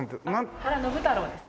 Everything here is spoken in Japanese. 原信太郎です。